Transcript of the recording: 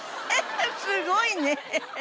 すごいね。